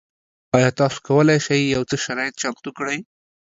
ایا تاسو کولی شئ یو څه شرایط چمتو کړئ؟